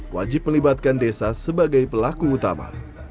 wajib melibatkan desa sebagai pelaku utama